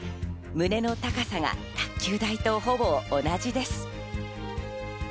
胸の高さが卓球台とほぼ同じです。